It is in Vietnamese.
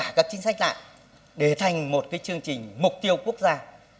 tất cả các chính sách lại để thành một chương trình mục tiêu quốc gia